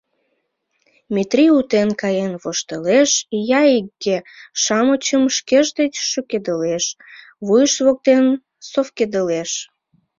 — Метрий утен каен воштылеш, ия иге-шамычым шкеж деч шӱкедылеш, вуйышт воктен совкедылеш.